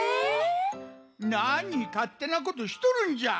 なにかってなことしとるんじゃ。